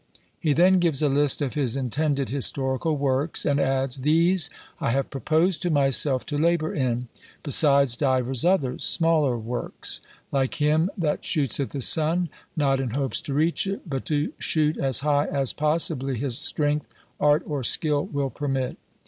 He then gives a list of his intended historical works, and adds, "These I have proposed to myself to labour in, besides divers others, smaller works: like him that shoots at the sun, not in hopes to reach it, but to shoot as high as possibly his strength, art, or skill will permit.